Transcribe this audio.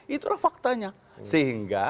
itu adalah faktanya sehingga